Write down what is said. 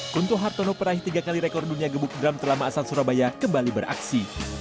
kuntu hartono peraih tiga kali rekor dunia gebuk drum terlama asal surabaya kembali beraksi